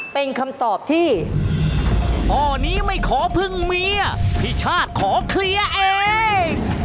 เป็นคำตอบที่อ้อนี้ไม่ขอพึ่งเมียพี่ชาติขอเคลียร์เอง